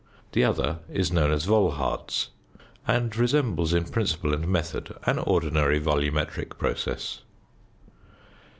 The other is known as "Volhard's," and resembles in principle and method an ordinary volumetric process.